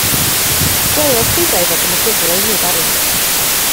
Gwelodd rhywrai fod yno gyfle i wneud arian.